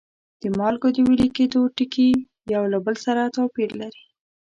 د مالګو د ویلي کیدو ټکي یو له بل سره توپیر لري.